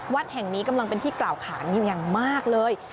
วัดแห่งนี้กำลังเป็นที่กล่าวขานอยู่อย่างมากเลย